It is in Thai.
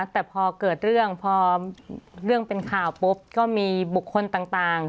แต่พอเกิดเรื่องพอเรื่องเป็นข่าวปุ๊บก็มีบุคคลต่าง